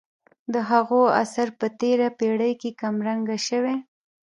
د هغو اثر په تېره پېړۍ کې کم رنګه شوی.